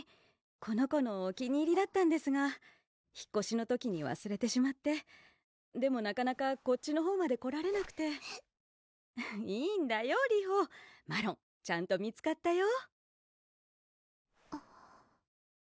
この子のお気に入りだったんですが引っこしの時にわすれてしまってでもなかなかこっちのほうまで来られなくていいんだよりほマロンちゃんと見つかったよ